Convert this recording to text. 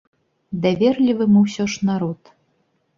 Даверлівы мы ўсё ж народ!